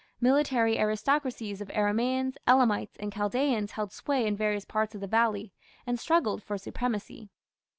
Military aristocracies of Aramaeans, Elamites, and Chaldaeans held sway in various parts of the valley, and struggled for supremacy.